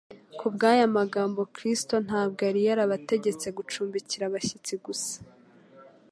Ku bw'aya magambo Kristo ntabwo yari abategetse gucumbikira abashyitsi gusa